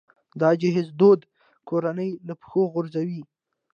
د جهیز دود کورنۍ له پښو غورځوي.